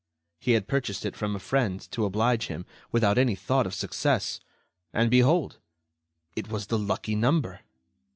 He had purchased it from a friend, to oblige him, without any thought of success, and behold, it was the lucky number!